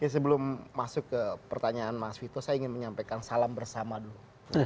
sebelum masuk ke pertanyaan mas vito saya ingin menyampaikan salam bersama dulu